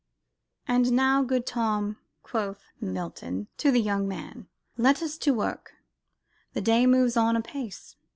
"And, now, good Tom," quoth Milton to the young man, "let us to work: the day moves on apace."